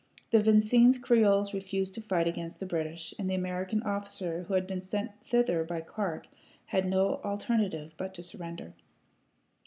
The Vincennes Creoles refused to fight against the British, and the American officer who had been sent thither by Clark had no alternative but to surrender.